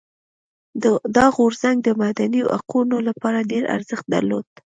دا غورځنګ د مدني حقونو لپاره ډېر ارزښت درلود.